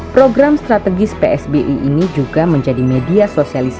program strategis psbi ini juga menjadi media sosial